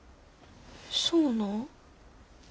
そうなん？